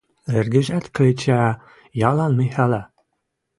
Эргӹжӓт, клечӓ ялан Михӓлӓ